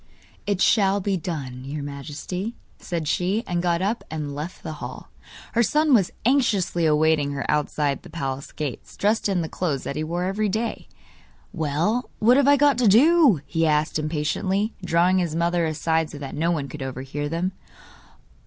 'It shall be done, your Majesty,' said she, and got up and left the hall. Her son was anxiously awaiting her outside the palace gates, dressed in the clothes that he wore every day. 'Well, what have I got to do?' he asked impatiently, drawing his mother aside so that no one could overhear them.